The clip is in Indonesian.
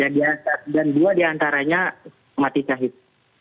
dan dua diantaranya mati cahit